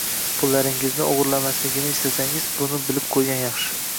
pullaringizni o‘g‘irlamasligini istasangiz, buni bilib qo'ygan yaxshi.